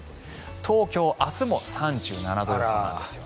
東京は明日も３７度予想なんです。